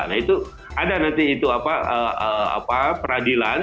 nah itu ada nanti itu apa peradilan